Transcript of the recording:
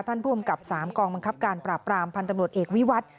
ผู้อำกับ๓กองบังคับการปราบปรามพันธ์ตำรวจเอกวิวัตร